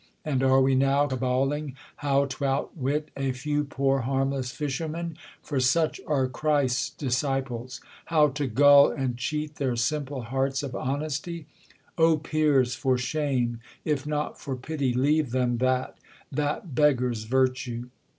And are we now caballing how t' outwit A few poor harmless fishermen ; for such Are Christ's disciples ; how to gull and cheat Their simple hearts of honesty / Oh peers, For shame, if not for pity, leave them that, That beggar's virtue.